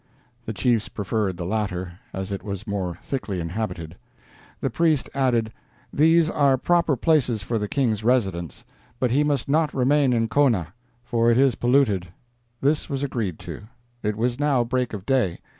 The chiefs preferred the latter, as it was more thickly inhabited. The priest added, 'These are proper places for the King's residence; but he must not remain in Kona, for it is polluted.' This was agreed to. It was now break of day.